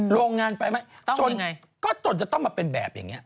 โรงงานไฟไหม้จนก็จนจะต้องมาเป็นแบบอย่างนี้